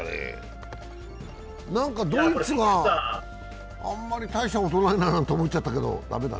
ドイツがあんまり大したことないと思っちゃったけど。